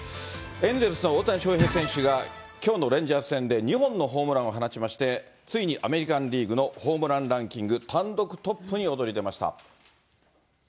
エンゼルスの大谷翔平選手がきょうのレンジャーズ戦で、２本のホームランを放ちまして、ついにアメリカンリーグのホームランランキング単独トップに躍り出ました。